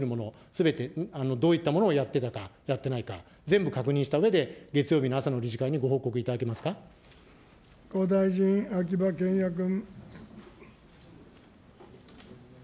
すべてどういったものをやってたか、やってないか、全部確認したうえで、月曜日の朝の理事会復興大臣、秋葉賢也君。